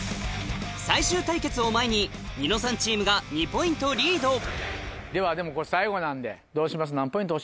最終対決を前にニノさんチームが２ポイントリードではでもこれ最後なんでどうします？